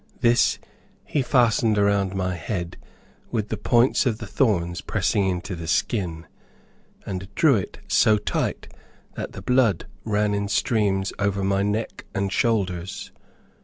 This he fastened around my head with the points of the thorns pressing into the skin, and drew it so tight that the blood ran in streams over my neck and shoulders.